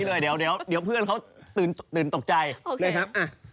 ตื่นตกใจนะครับ